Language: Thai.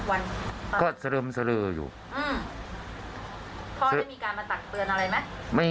วันก็สลึมสลืออยู่อืมพ่อจะมีการมาตักเตือนอะไรไหม